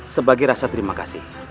sebagai rasa terima kasih